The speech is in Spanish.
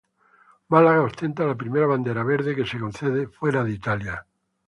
Málaga ostenta la primera Bandera Verde que se concede fuera de Italia.